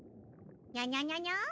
ニャニャニャニャ？